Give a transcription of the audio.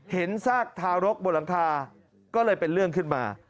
ซากทารกบนหลังคาก็เลยเป็นเรื่องขึ้นมา